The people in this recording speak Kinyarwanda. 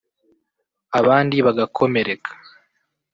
abandi bagakomereka